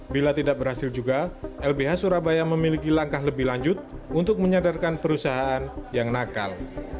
bila tidak berhasil juga lbh surabaya memiliki langkah lebih lanjut untuk menyadarkan perusahaan yang nakal